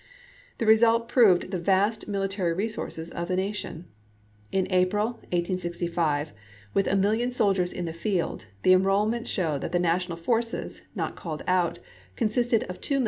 The result proved the vast military resources of the nation. In April, 1865, with a million soldiers in the field, the enroll ment showed that the national forces, not called out, consisted of 2,245,000 more.